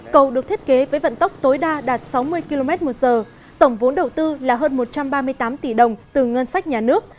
cầu được thiết kế với vận tốc tối đa đạt sáu mươi km một giờ tổng vốn đầu tư là hơn một trăm ba mươi tám tỷ đồng từ ngân sách nhà nước